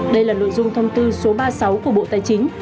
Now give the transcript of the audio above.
đây là nội dung thông tư số ba mươi sáu của bộ tài chính